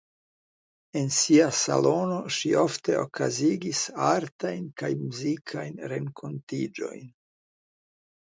En sia salono ŝi ofte okazigis artajn kaj muzikajn renkontiĝojn.